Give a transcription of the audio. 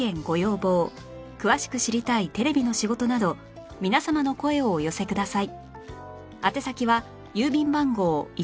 詳しく知りたいテレビの仕事など皆様の声をお寄せください